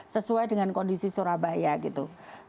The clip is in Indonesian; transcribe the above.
sesuai dengan kondisi surabaya gitu